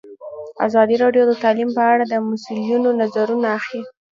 ازادي راډیو د تعلیم په اړه د مسؤلینو نظرونه اخیستي.